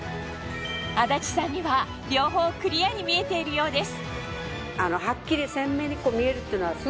安達さんには両方クリアに見えているようです